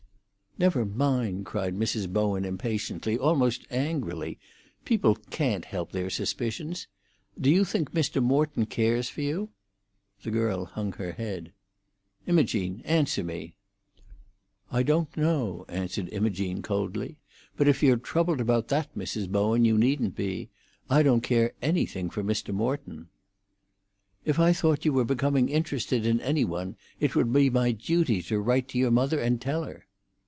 "Never mind!" cried Mrs. Bowen impatiently, almost angrily. "People can't help their suspicions! Do you think Mr. Morton cares for you?" The girl hung her head. "Imogene, answer me!" "I don't know," answered Imogene coldly; "but if you're troubled about that, Mrs. Bowen, you needn't be; I don't care anything for Mr. Morton." "If I thought you were becoming interested in any one, it would be my duty to write to your mother and tell her."